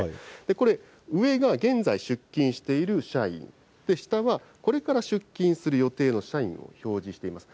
これ上が現在、出勤している社員、下はこれから出勤する予定の社員を表示しています。